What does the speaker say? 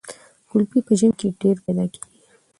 ګلپي په ژمي کې ډیر پیدا کیږي.